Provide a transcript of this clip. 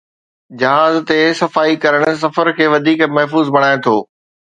جهاز تي صفائي ڪرڻ سفر کي وڌيڪ محفوظ بڻائي ٿو